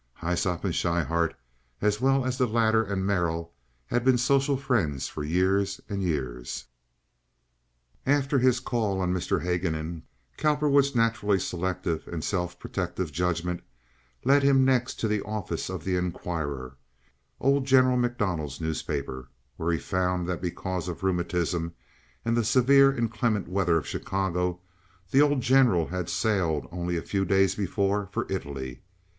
Hyssop and Schryhart, as well as the latter and Merrill, had been social friends for years and years. After his call on Mr. Haguenin, Cowperwood's naturally selective and self protective judgment led him next to the office of the Inquirer, old General MacDonald's paper, where he found that because of rhuematism and the severe, inclement weather of Chicago, the old General had sailed only a few days before for Italy.